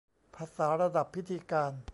ภาษาระดับพิธีการ